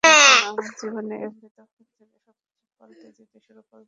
তুমি যখন আমার জীবনে এলে, তখন যেন সবকিছুই পাল্টে যেতে শুরু করল।